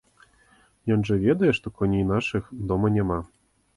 Ён жа ведае, што коней нашых дома няма.